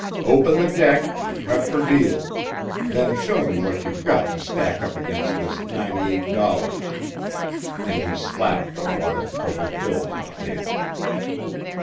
"Open the deck and cut for deal. Then show me what you've got to stack up against this ninety eight dollars." And he slapped a wad of crumpled bills on the table.